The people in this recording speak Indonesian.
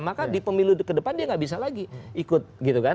maka di pemilu ke depan dia tidak bisa lagi ikut